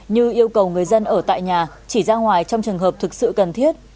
như yêu cầu người dân ở tại nhà chỉ ra ngoài trong trường hợp thực sự cần thiết